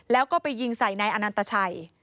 แล้วก็ไปยิงใส่นายอนันตชัย